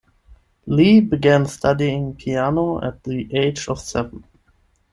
Li began studying piano at the age of seven.